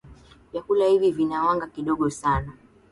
vyakula hivi vina wanga kidogo sana